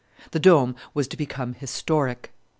The Dome was to become historic.